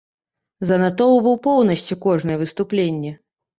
Занатоўваў поўнасцю кожнае выступленне.